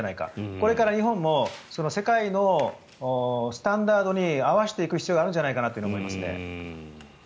これから日本も世界のスタンダードに合わせていく必要があるんじゃないかと思います。